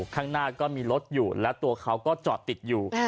ข้างหน้าก็มีรถอยู่และตัวเขาก็จอดติดอยู่